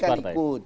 yang lain kan ikut